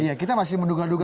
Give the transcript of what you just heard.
iya kita masih menduga duga